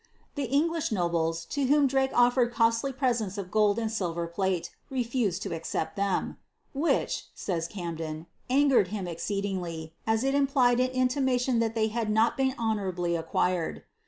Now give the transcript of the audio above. The English nobler, to whom Drake offered costly presents of gold and silver plate, refused to accept them ;" which," says Camden, '^ angered him exceedingly, as i> implied an intimation that they had not been honourablv acquired."